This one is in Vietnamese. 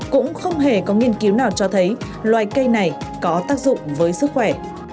cũng không hề có nghiên cứu nào cho thấy loài cây này có tác dụng với sức khỏe